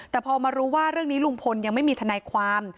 แต่พอมารู้ว่าเรื่องนี้ลุงพลยังไม่มีทนายความ